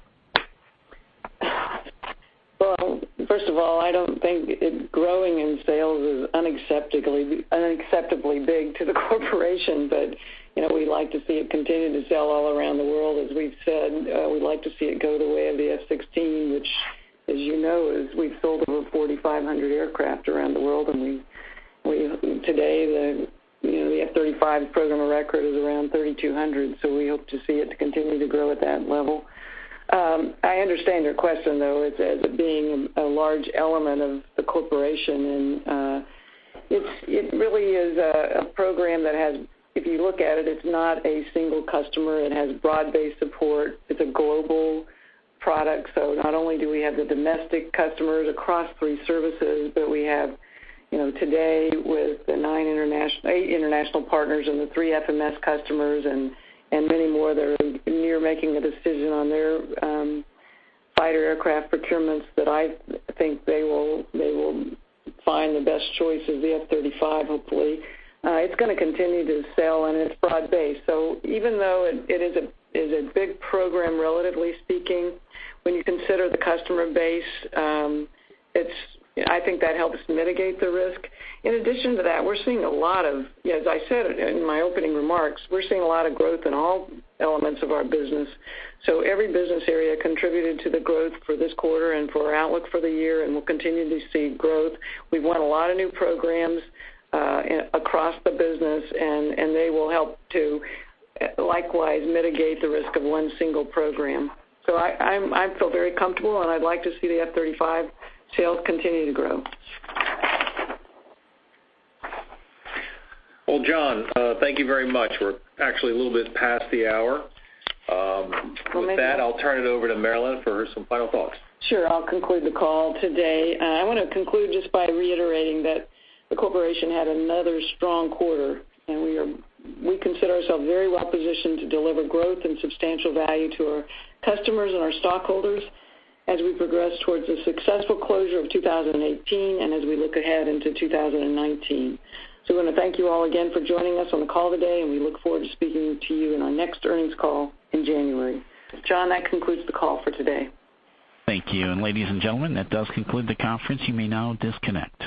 Well, first of all, I don't think it growing in sales is unacceptably big to the corporation, but we'd like to see it continue to sell all around the world. As we've said, we'd like to see it go the way of the F-16, which as you know, we've sold over 4,500 aircraft around the world, and today the F-35 program of record is around 3,200. We hope to see it continue to grow at that level. I understand your question, though, as it being a large element of the corporation, and it really is a program that has, if you look at it's not a single customer. It has broad-based support. It's a global product. Not only do we have the domestic customers across three services, but we have today with the eight international partners and the three FMS customers and many more that are near making a decision on their fighter aircraft procurements that I think they will find the best choice is the F-35, hopefully. It's going to continue to sell, and it's broad-based. Even though it is a big program, relatively speaking, when you consider the customer base, I think that helps mitigate the risk. In addition to that, as I said in my opening remarks, we're seeing a lot of growth in all elements of our business. Every business area contributed to the growth for this quarter and for our outlook for the year, and we'll continue to see growth. We've won a lot of new programs across the business, and they will help to likewise mitigate the risk of one single program. I feel very comfortable, and I'd like to see the F-35 sales continue to grow. Well, John, thank you very much. We're actually a little bit past the hour. With that, I'll turn it over to Marillyn for some final thoughts. Sure. I'll conclude the call today. I want to conclude just by reiterating that the corporation had another strong quarter, and we consider ourselves very well positioned to deliver growth and substantial value to our customers and our stockholders as we progress towards the successful closure of 2018 and as we look ahead into 2019. I want to thank you all again for joining us on the call today, and we look forward to speaking to you in our next earnings call in January. John, that concludes the call for today. Thank you. Ladies and gentlemen, that does conclude the conference. You may now disconnect.